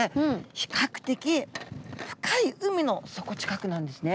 比較的深い海の底近くなんですね。